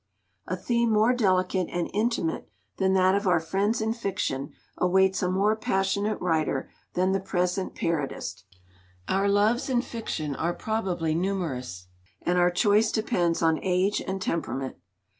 A theme more delicate and intimate than that of our Friends in fiction awaits a more passionate writer than the present parodist. Our Loves in fiction are probably numerous, and our choice depends on age and temperament.